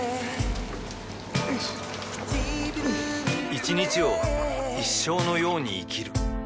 一日を一生のように生きる